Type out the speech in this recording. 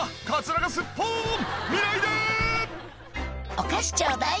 「お菓子ちょうだい」